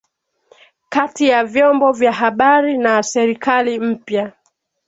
kati ya vyombo vya habari na serikali mpya